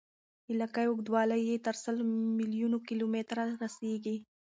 لکۍ اوږدوالی یې تر سل میلیون کیلومتره رسیږي.